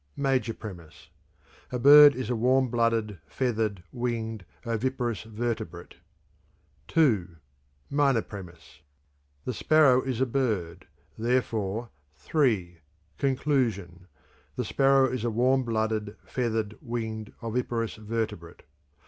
(Major premise) A bird is a warm blooded, feathered, winged, oviparous vertebrate. II. (Minor premise) The sparrow is a bird; therefore III. (Conclusion) The sparrow is a warm blooded, feathered, winged, oviparous vertebrate.